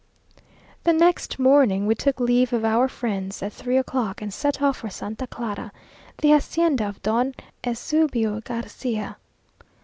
The next morning we took leave of our friends at three o'clock, and set off for Santa Clara, the hacienda of Don Eusebio Garcia.